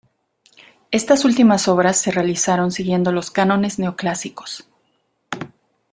Estas últimas obras se realizaron siguiendo los cánones neoclásicos.